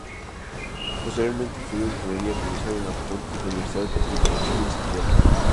Posteriormente estudió ingeniería comercial en la Pontificia Universidad Católica de Chile, en Santiago.